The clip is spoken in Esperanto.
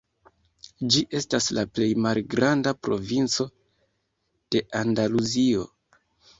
Ĝi estas la plej malgranda provinco de Andaluzio.